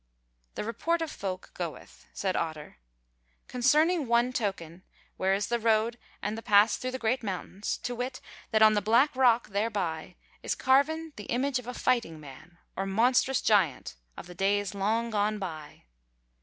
"The report of folk goeth," said Otter, "concerning one token, where is the road and the pass through the Great Mountains, to wit, that on the black rock thereby is carven the image of a Fighting Man, or monstrous giant, of the days long gone by.